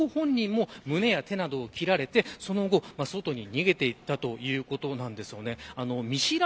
その後、本人も胸や手などを切られてその後、外に逃げていったということです。